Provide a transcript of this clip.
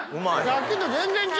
さっきと全然ちゃう。